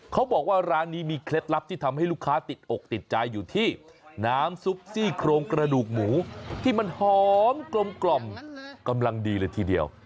เขาบอกว่าร้านนี้มีเคล็ดลับที่ทำให้ลูกค้าติดอกติดใจอยู่ที่น้ำซุปซี่โครงกระดูกหมูที่มันหอมกลมกำลังดีเลยทีเดียว